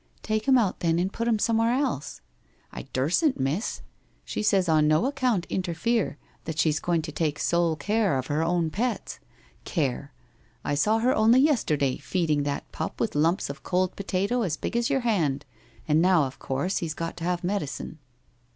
* Take him out then and put him somewhere else.' ' I dursn't, miss. She says on no account interfere, that she's going to take sole care of her own pets. Care 1 WHITE ROSE OF WEARY LEAF 123 I saw her only yesterday feeding that pup with lumps of cold potato as big as your hand and now, of course, he's got to have medicine.